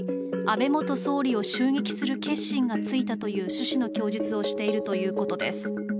安倍元総理を襲撃する決心がついたという趣旨の供述をしているということです。